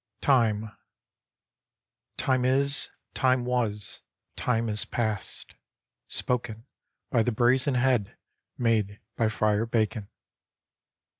" Time is !"Time was!" Time is past !" {^Spoken by the Brazen Head made by Friar Bacon.)